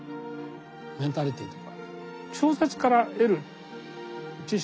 メンタリティーとか。